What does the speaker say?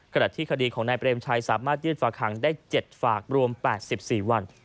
ขณะที่คดีของนายเปรมชัยสามารถยื่นฝากหางได้๗ฝากรวม๘๔วัน